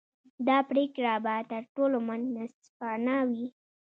دا پرېکړه به تر ټولو منصفانه وي.